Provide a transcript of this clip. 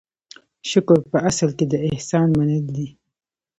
شکر په اصل کې د احسان منل دي.